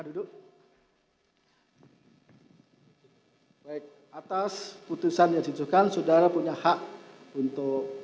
terima pikir pikir membanding